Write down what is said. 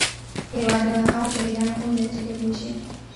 هیواد د هغو شهیدانو خون دی چې هېر نه شي